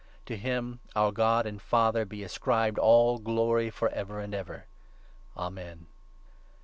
To him, our God and Father, be ascribed all glory for ever 20 and ever. Amen.